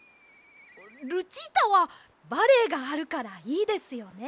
ルチータはバレエがあるからいいですよね。